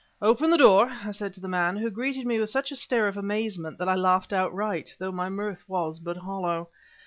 "Open the door!" I said to the man who greeted me with such a stare of amazement that I laughed outright, though my mirth was but hollow.